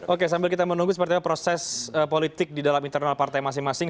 oke sambil kita menunggu seperti apa proses politik di dalam internal partai masing masing